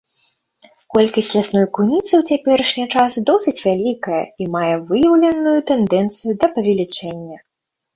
Колькасць лясной куніцы ў цяперашні час досыць вялікая і мае выяўленую тэндэнцыю да павелічэння.